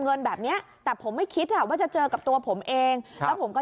เงินแบบเนี้ยแต่ผมไม่คิดอ่ะว่าจะเจอกับตัวผมเองแล้วผมก็